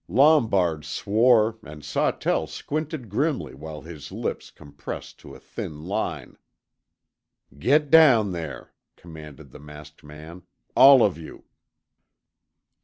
Lombard swore and Sawtell squinted grimly while his lips compressed to a thin line. "Get down there," commanded the masked man. "All of you."